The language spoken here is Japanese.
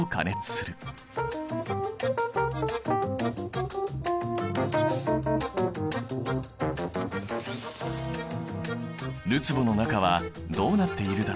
るつぼの中はどうなっているだろう？